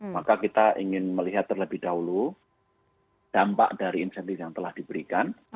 maka kita ingin melihat terlebih dahulu dampak dari insentif yang telah diberikan